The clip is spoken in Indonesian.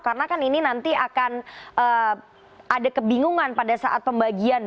karena kan ini nanti akan ada kebingungan pada saat pembagian